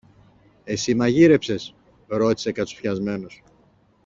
Εσύ μαγείρεψες; ρώτησε κατσουφιασμένος.